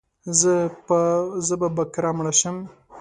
زه به باکره مړه شم